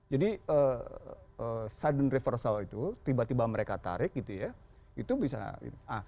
jadi sudden reversal itu tiba tiba mereka tarik gitu ya itu bisa